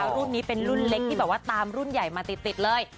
รุ่นนี้เป็นรุ่นเล็กที่แบบว่าตามรุ่นใหญ่มาติดเลย